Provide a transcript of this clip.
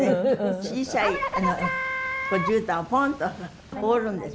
小さいじゅうたんをポンと放るんです。